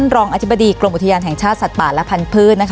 รองอธิบดีกรมอุทยานแห่งชาติสัตว์ป่าและพันธุ์